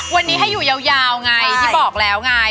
วันนี้ให้อยู่ยาวไงที่บอกแล้วไง